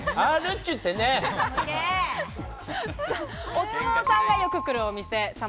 お相撲さんがよく来るお店。